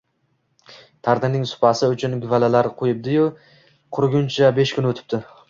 Tandirning supasi uchun guvalalar quyibdi-yu, quriguncha besh kun o'tibdi